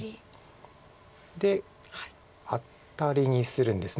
でアタリにするんですね。